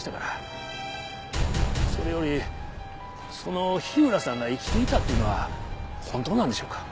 それよりその火浦さんが生きていたっていうのは本当なんでしょうか？